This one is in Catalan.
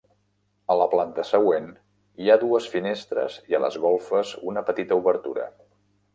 A la planta següent, hi ha dues finestres i a les golfes una petita obertura.